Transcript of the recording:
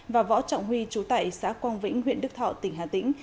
và võ trọng huy chú tại xã quang vĩnh huyện đức thọ tỉnh hà tĩnh